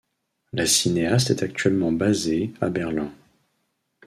La cinéaste est actuellement basée à Berlin.